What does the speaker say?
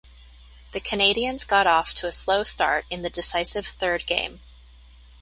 The Canadians got off to a slow start in the decisive third game.